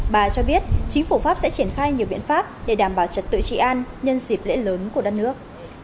bà cho biết chính phủ pháp sẽ triển khai nhiều biện pháp để đảm bảo trật tự trị an nhân dịp lễ lớn của đất nước